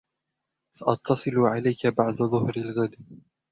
سأتصل عليك بعد ظهر الغد.